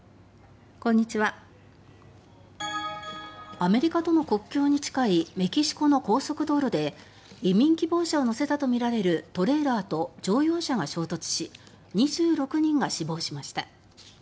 アメリカとの国境に近いメキシコの高速道路で移民希望者を乗せたとみられるトレーラーと乗用車が衝突し２６人が死亡しました。